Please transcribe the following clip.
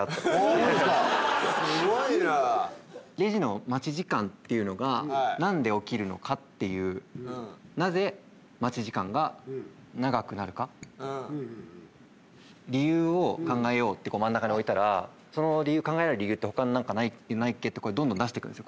レジの待ち時間っていうのが何で起きるのかっていうなぜ待ち時間が長くなるか理由を考えようってこう真ん中においたらその考えられる理由ってほかに何かないっけ？ってどんどん出していくんです